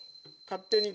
勝手に。